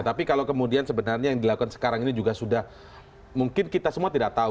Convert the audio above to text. tapi kalau kemudian sebenarnya yang dilakukan sekarang ini juga sudah mungkin kita semua tidak tahu